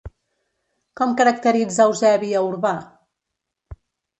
Com caracteritza Eusebi a Urbà?